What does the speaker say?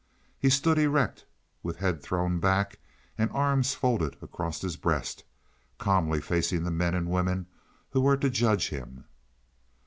He stood erect with head thrown back and arms folded across his breast, calmly facing the men and women who were to judge him.